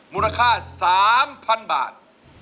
มูลค่า๓๐๐๐บาท